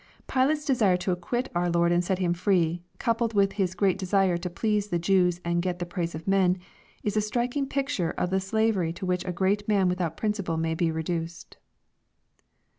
'] Pilate's desire to acquit our Lord and set Him free, coupled with his great desire to please the Jews and get the praise of man, is a striking picture of the slavery to which a great man without principle may be reduced.